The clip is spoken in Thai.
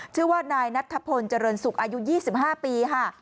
ชื่อว่านายนัทธพลเจริญสุขอายุ๒๕ปีค่ะ